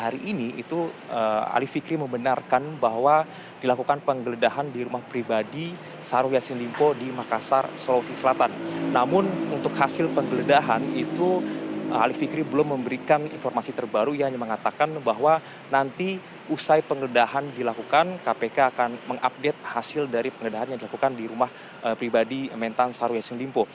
untuk hasil pengledahan itu arief fikri belum memberikan informasi terbaru yang mengatakan bahwa nanti usai pengledahan dilakukan kpk akan mengupdate hasil dari pengledahan yang dilakukan di rumah pribadi mentan syahrul yassin limpo